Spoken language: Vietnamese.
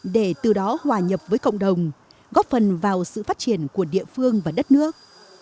để từ đó hòa nhập với cộng đồng góp phần vào sự phát triển của địa phương và đất nước